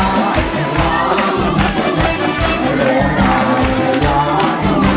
ให้ร้องกัน